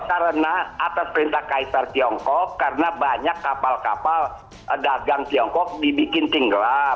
karena atas perintah kaisar tiongkok karena banyak kapal kapal dagang tiongkok dibikin tinggelam